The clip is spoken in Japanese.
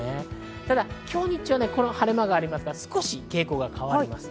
ただ今日、日中はこの晴れ間がありますから、少し傾向が変わります。